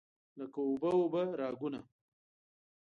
لکه اوبه، اوبه راګونه